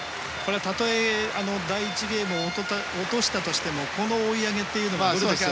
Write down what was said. たとえ第１ゲームを落としたとしてもこの追い上げというのは。